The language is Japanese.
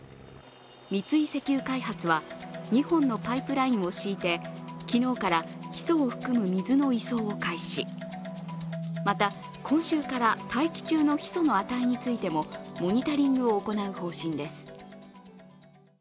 三井石油開発は２本のパイプラインを敷いて、昨日からヒ素を含む水の移送を開始また、今週から大気中のヒ素の値についてもモニタリングを行う方針です。